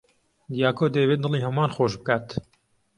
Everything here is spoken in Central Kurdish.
دیاکۆ دەیەوێت دڵی هەمووان خۆش بکات.